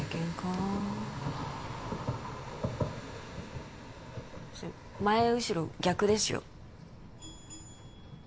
あそれ前後ろ逆ですよ